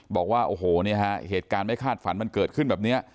บอกว่าโอ้โหเนี่ยฮะเหตุการณ์ไม่คาดฝันมันเกิดขึ้นแบบนี้